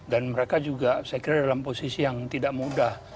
dan mereka juga saya kira dalam posisi yang tidak mudah